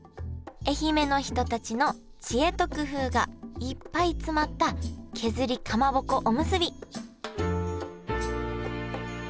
愛媛の人たちの知恵と工夫がいっぱい詰まった削りかまぼこおむすび